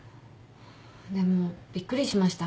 でもびっくりしました。